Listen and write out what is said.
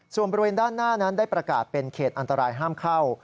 ส่วนบริเวณด้านหน้านั้นได้ประกาศเป็นเขตอันตรายห้ามเข้า